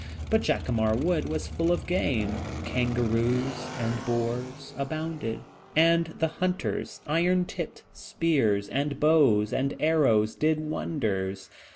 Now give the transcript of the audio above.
But Jacamar Wood was full of game; kangaroos and boars abounded, and the hunters' iron tipped spears and bows and arrows did wonders.